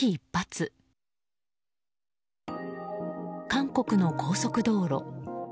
韓国の高速道路。